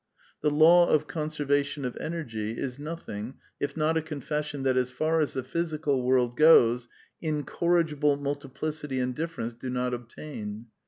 The law of conservation of energy is nothing if not a confession that, as far as the physical world goes, incorrigible multiplicity and difference do not obtain.